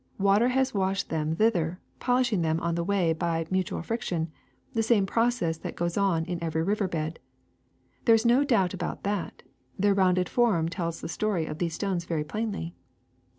Water has washed them thither, polishing them on the way by mutual friction — the same process that goes on in every river bed. There is no doubt about that: their rounded form tells the story of these stones very plainly.